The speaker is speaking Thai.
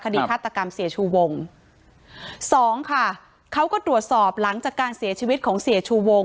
คดีฆาตกรรมเสียชูวงสองค่ะเขาก็ตรวจสอบหลังจากการเสียชีวิตของเสียชูวง